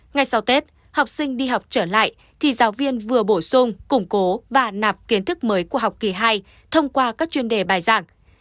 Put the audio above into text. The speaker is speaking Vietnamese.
ngay sau tết học sinh đi học trở lại thì giáo viên vừa bổ sung củng cố và nạp kiến thức mới của học kỳ hai thông qua các chuyên đề bài giảng